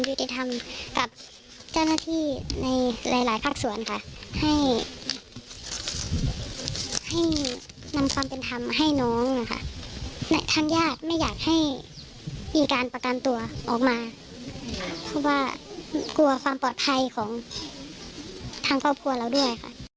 เพราะว่ากลัวความปลอดภัยของทางครอบครัวของเราด้วย